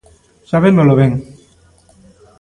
Sabémolo ben.